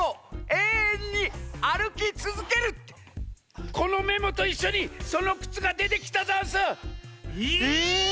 えいえんにあるきつづける」ってこのメモといっしょにそのくつがでてきたざんす！え！？